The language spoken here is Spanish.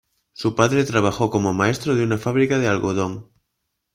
Su padre trabajó como maestro de una fábrica de algodón.